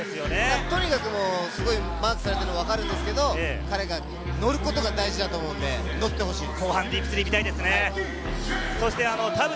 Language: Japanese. とにかくマークされてるのは分かるんですけれども、彼がノることが大事だと思うんで、乗ってほしいです。